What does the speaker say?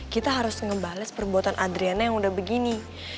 kita harus ngebales perbuatan adriana yang udah begini